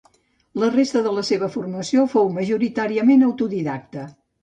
La resta de la seva formació fou majoritàriament autodidacta.